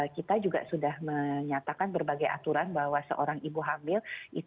kita juga sudah menyatakan berbagai aturan bahwa seorang ibu hamil